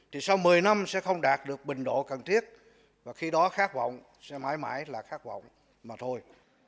thì sau một mươi năm sẽ không đạt được bình độ cần thiết và khi đó khát vọng sẽ mãi mãi là khát vọng mà thôi